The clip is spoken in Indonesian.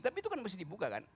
tapi itu kan mesti dibuka kan